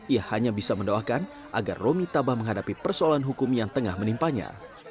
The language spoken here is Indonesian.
ia hanya bisa mendoakan agar romi tabah menghadapi persoalan hukum yang tengah menimpanya